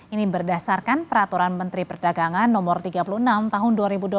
ini berdasarkan peraturan menteri perdagangan no tiga puluh enam tahun dua ribu dua puluh